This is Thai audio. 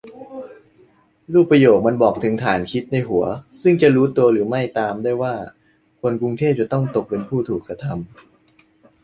รูปประโยคมันบอกถึงฐานคิดในหัวซึ่งจะรู้ตัวหรือไม่ตามได้ว่า คนกรุงเทพจะต้องตกเป็นผู้ถูกกระทำ